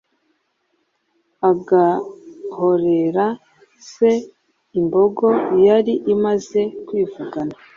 agahorera se imbogo yari imaze kwivugana,